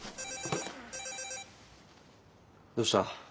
どうした？